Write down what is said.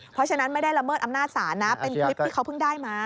เพราะฉะนั้นไม่ได้ละเมิดอำนาจศาลนะเป็นคลิปที่เขาเพิ่งได้มา